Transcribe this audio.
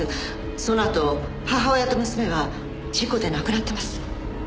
そのあと母親と娘は事故で亡くなってます。